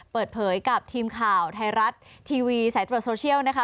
เปิดเผยกับทีมข่าวไทยรัฐทีวีสายตรวจโซเชียลนะคะ